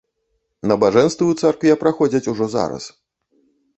Набажэнствы ў царкве праходзяць ужо зараз.